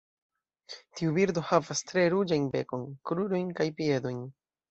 Tiu birdo havas tre ruĝajn bekon, krurojn kaj piedojn.